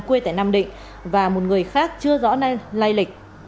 quê tại nam định và một người khác chưa rõ nay lai lịch